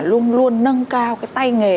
luôn luôn nâng cao cái tay nghề